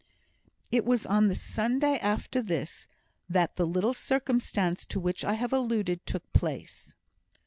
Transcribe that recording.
It was on the Sunday after this that the little circumstance to which I have alluded took place.